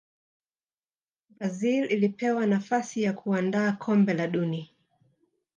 brazil ilipewa nafasi ya kuandaa kombe la duni